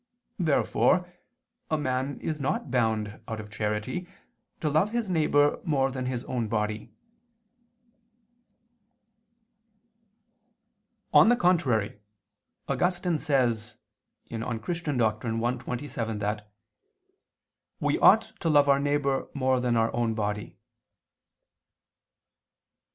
Therefore a man is not bound, out of charity, to love his neighbor more than his own body. On the contrary, Augustine says (De Doctr. Christ. i, 27) that "we ought to love our neighbor more than our own body."